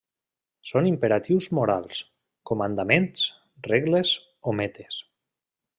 Són imperatius morals, comandaments, regles o metes.